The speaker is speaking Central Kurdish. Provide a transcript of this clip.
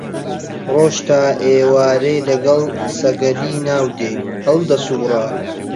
ڕۆژ تا ئێوارێ لەگەڵ سەگەلی ناو دێ هەڵدەسووڕا